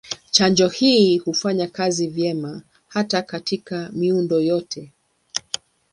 Chanjo hii hufanya kazi vyema hata katika miundo yote.